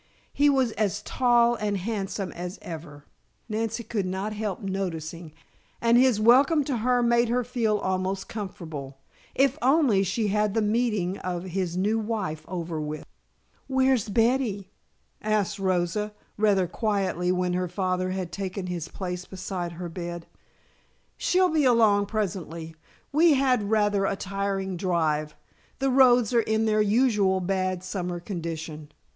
He was as tall and handsome as ever, Nancy could not help noticing, and his welcome to her made her feel almost comfortable if only she had the meeting of his new wife over with. "Where's Betty?" asked Rosa, rather quietly when her father had taken his place beside her bed. "She'll be along presently. We had rather a tiring drive the roads are in their usual bad summer condition.